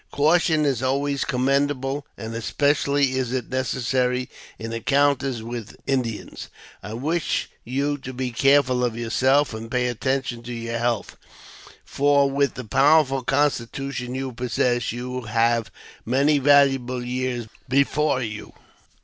Caution is always commendable, and especially is it necessary in encounters with Indians. I wish you to be careful of yourself, and pay attention to your health, for, with the powerful constitution you possess, you have many valuable years before you.